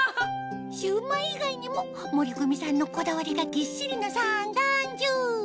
シュウマイ以外にも森クミさんのこだわりがぎっしりの三段重